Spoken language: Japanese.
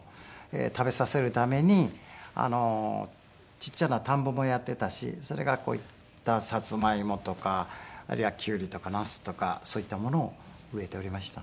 食べさせるためにちっちゃな田んぼもやっていたしそれからこういったサツマイモとかあるいはキュウリとかナスとかそういったものを植えておりましたね。